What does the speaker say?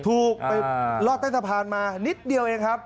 ถูกไปลอดใต้สะพานมานิดเดียวเองครับ